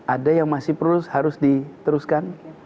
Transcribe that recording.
ada yang masih harus diteruskan